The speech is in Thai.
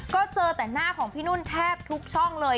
ก็เจอแต่หน้าของพี่นุ่นแทบทุกช่องเลย